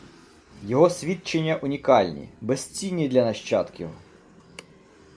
Його свідчення унікальні, безцінні для нащадків